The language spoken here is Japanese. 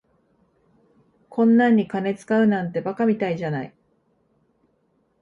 こんなんに金使うなんて馬鹿みたいじゃない。